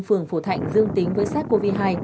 phường phổ thạnh dương tính với sars cov hai